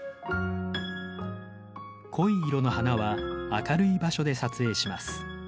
濃い色の花は明るい場所で撮影します。